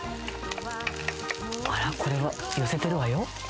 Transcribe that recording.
あら、これは寄せてるわよ。